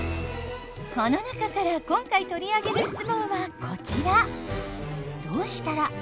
この中から今回取り上げる質問はこちら。